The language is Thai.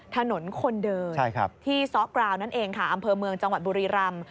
ถนนคนเดินที่ซ้อกราวนั่นเองค่ะอำเภอเมืองจังหวัดบุรีรำ